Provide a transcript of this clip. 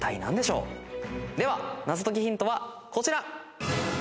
では謎解きヒントはこちら！